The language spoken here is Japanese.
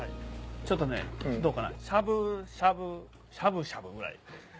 ちょっとねどうかなしゃぶしゃぶしゃぶしゃぶぐらい。